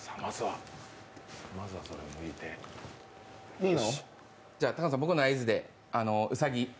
いいの？